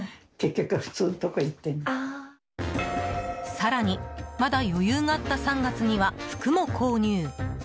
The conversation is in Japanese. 更に、まだ余裕があった３月には服も購入。